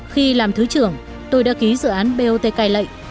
khi làm thứ trưởng tôi đã ký dự án bot cai lệ